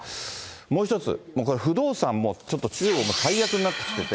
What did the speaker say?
もう一つ、これ、不動産もちょっと中国も最悪になってきてて。